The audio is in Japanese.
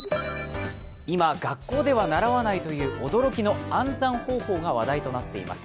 今、学校では習わないという驚きの暗算方法が話題となっています。